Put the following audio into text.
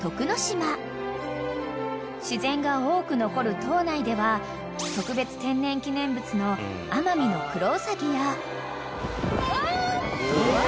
［自然が多く残る島内では特別天然記念物のアマミノクロウサギや］